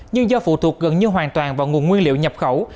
nhưng do phụ thuộc gần như hoàn toàn vào nguồn nguyên liệu nhập khẩu